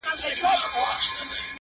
هغه پاڅي تشوي به کوثرونه-